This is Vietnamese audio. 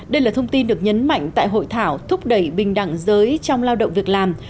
đây là thông tin được nhấn mạnh tại hội thảo thúc đẩy bình đẳng giới trong lao động việc làm